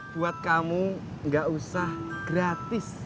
buat kamu gak usah gratis